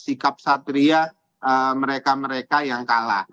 sikap satria mereka mereka yang kalah